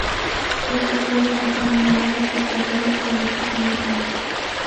Estos juegos atraen a más espectadores que el equipo nacional.